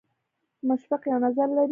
مشفق یو نظر لري.